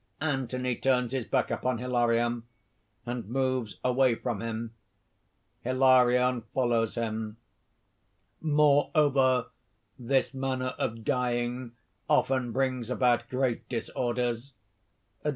(Anthony turns his back upon Hilarion, and moves away from him. Hilarion follows him.) "... Moreover this manner of dying often brings about great disorders.